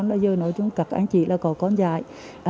nhưng mà giờ nói chung các anh chị là có con dài